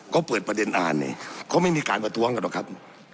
ก็เปิดประเด็นอ่านนี่เขาไม่มีการประท้วงกันหรอกครับ